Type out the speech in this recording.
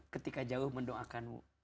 ketika jauh mendoakanmu